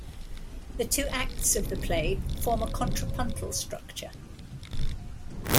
The two acts of the play form a contrapuntal structure.